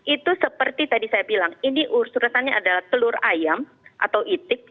itu seperti tadi saya bilang ini urusannya adalah telur ayam atau itik